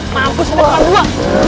mampus kita tempat dua